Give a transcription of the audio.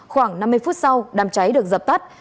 khoảng năm mươi phút sau đám cháy được dập tắt